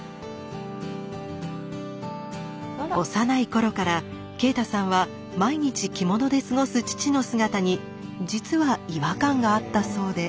幼い頃から啓太さんは毎日着物で過ごす父の姿に実は違和感があったそうで。